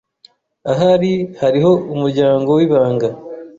Ahari hariho umuryango wibanga.